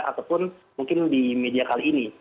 ataupun mungkin di media kali ini